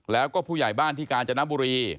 แล้วก็ผู้ใหญ่บ้านที่กาญจนบุรี